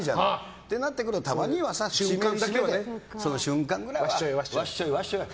ってなってくると、たまにはねその瞬間ぐらいはわっしょいわっしょいって。